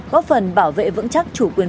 góp phần bảo vệ vững chắc chủ quyền